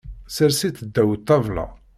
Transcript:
Sers-itt ddaw ṭṭabla.